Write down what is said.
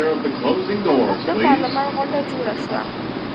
د اوږده پارلمان غونډه جوړه شوه.